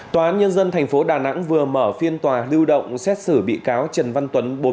tòa án nhân dân tp đà nẵng vừa mở phiên tòa lưu động xét xử bị cáo trần văn tuấn